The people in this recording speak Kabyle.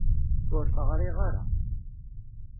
Ur t-ɣriɣ ara.